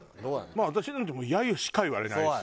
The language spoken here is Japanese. まあ私なんてもう揶揄しか言われないですよ。